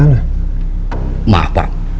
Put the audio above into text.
membuat jadi gw